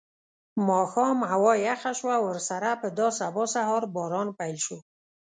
ماښام هوا یخه شوه او ورسره په دا سبا سهار باران پیل شو.